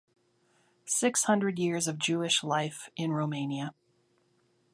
Six hundred years of Jewish life in Romania.